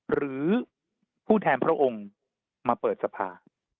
หรือผู้แทนพระองค์มาเปิดสภา